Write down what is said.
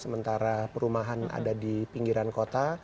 sementara perumahan ada di pinggiran kota